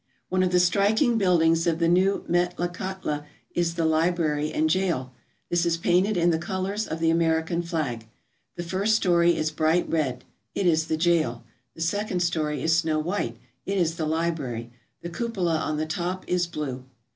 One of the striking buildings of the new Metlakahtla is the library and jail. This is painted in the colours of the American flag. The first story is bright red; it is the jail. The second story is snow white; it is the library. The cupola on the top is blue.